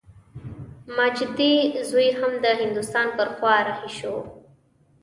ماجتي زوی هم د هندوستان پر خوا رهي شو.